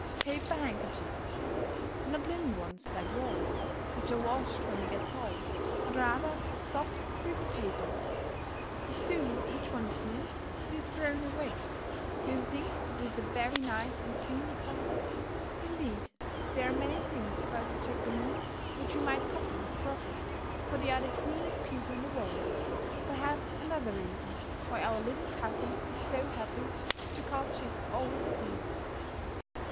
Paper handkerchiefs! Not linen ones like yours, which are washed when they get soiled, but rather of soft, pretty paper. As soon as each one is used it is thrown away. Don't you think that is a very nice and cleanly custom? Indeed, there are many things about the Japanese which we might copy with profit, for they are the cleanest people in the world. Perhaps another reason why our little cousin is so happy is because she is always clean.